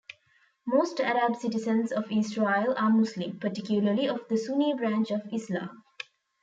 Most Arab citizens of Israel are Muslim, particularly of the Sunni branch of Islam.